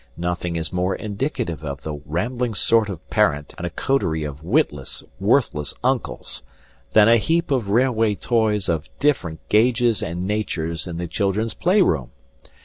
Nothing is more indicative of the wambling sort of parent and a coterie of witless, worthless uncles than a heap of railway toys of different gauges and natures in the children's playroom.